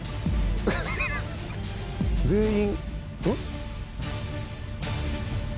全員。